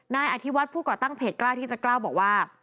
นายอธิวัฒน์ผู้ก่อตั้งเพจกล้าที่จะกล้าบอกว่า